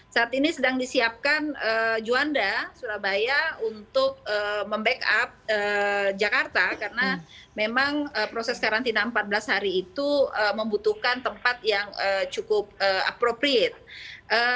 saat ini sedang disiapkan juanda surabaya untuk membackup jakarta karena memang proses karantina empat belas hari itu membutuhkan tempat yang cukup approprate